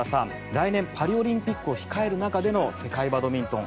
来年、パリオリンピックを控える中での世界バドミントン。